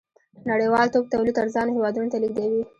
نړۍوالتوب تولید ارزانو هېوادونو ته لېږدوي.